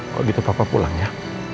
kalau gitu papa pulang ya